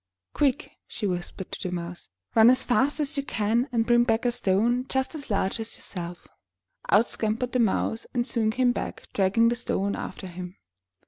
"Quick/' she whispered to the Mouse, *'run as fast as you can and bring back a stone just as large as yourself.*' Out scampered the Mouse, and soon came back, dragging the stone after him.